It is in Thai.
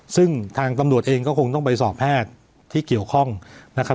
ซึ่งทางตำรวจเองก็คงต้องไปสอบแพทย์ที่เกี่ยวข้องนะครับ